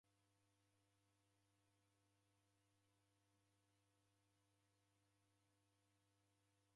Nam'mbanga Apini angu oren'neka vipini.